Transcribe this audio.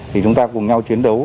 thì chúng ta cùng nhau chiến đấu